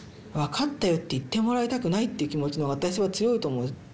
「わかったよ」って言ってもらいたくないっていう気持ちの方が私は強いと思う。